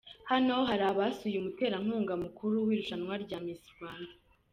Hano bari basuye umuterankunga mukuru w'irushanwa rya Miss Rwanda.